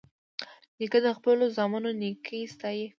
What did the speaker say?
نیکه د خپلو زامنو نیکي ستايي.